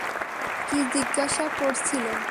কি জিজ্ঞাসা করছিলো?